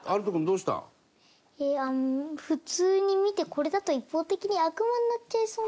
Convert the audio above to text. えっあの普通に見てこれだと一方的に悪魔になっちゃいそうな。